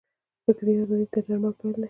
فکري ازادي د درمل پیل دی.